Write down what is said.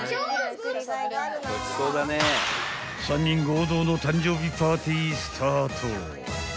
［３人合同の誕生日パーティースタート］